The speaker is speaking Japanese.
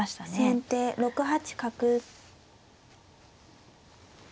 先手６八角。